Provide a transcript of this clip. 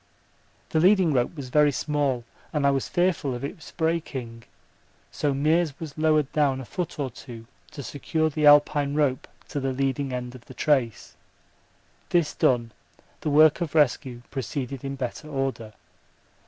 The leading rope was very small and I was fearful of its breaking, so Meares was lowered down a foot or two to secure the Alpine rope to the leading end of the trace; this done, the work of rescue proceeded in better order.